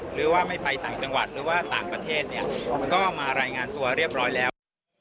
หรือว่าไม่ไปต่างจังหวัดหรือว่าต่างประเทศเนี่ยก็มารายงานตัวเรียบร้อยแล้ว